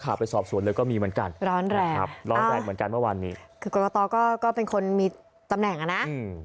คือกรกตก็เป็นคนมีตำแหน่งอะนะ